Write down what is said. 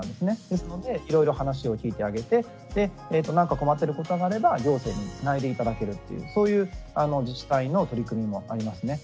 ですのでいろいろ話を聞いてあげてなんか困ってることがあれば行政につないで頂けるっていうそういう自治体の取り組みもありますね。